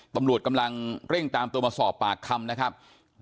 ตำรวจกำลังเร่งตามตัวมาสอบปากคำนะครับ